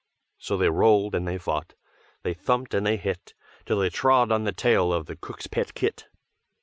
So they rolled and they fought, They thumped and they hit. Till they trod on the tail of the cook's pet kit.